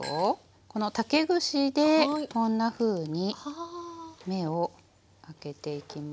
この竹串でこんなふうに目を開けていきます。